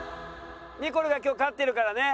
ニコルが今日勝ってるからね。